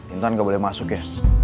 intan gak boleh masuk ya